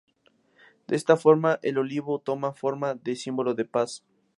De esta forma el olivo toma forma de símbolo de paz.